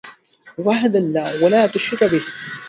وحد الله ولا تشرك به